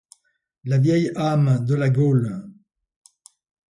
La vieille âme de la Gaule